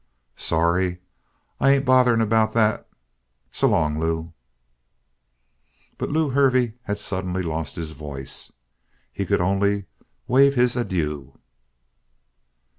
"Sorry? I ain't bothering about that. So long, Lew." But Lew Hervey had suddenly lost his voice. He could only wave his adieu.